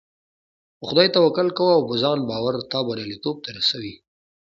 په خدای توکل کوه او په ځان باور تا برياليتوب ته رسوي .